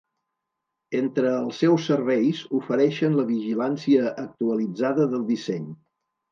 Entre els seus serveis ofereixen la vigilància actualitzada del disseny.